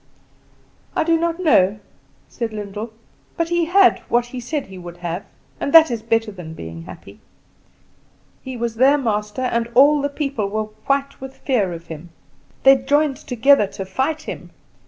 "I do not know," said Lyndall; "but he had what he said he would have, and that is better than being happy. He was their master, and all the people were white with fear of him. They joined together to fight him.